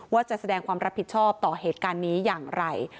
แสดงความรับผิดชอบต่อเหตุการณ์นี้อย่างไร